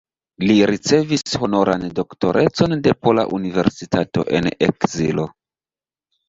Li ricevis honoran doktorecon de Pola Universitato en Ekzilo.